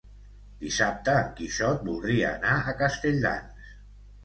Dissabte en Quixot voldria anar a Castelldans.